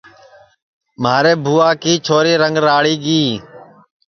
مھاری بھُوئا کی چھوری رنگ راݪی گی